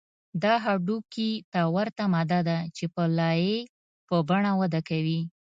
دا هډوکي ته ورته ماده ده چې په لایې په بڼه وده کوي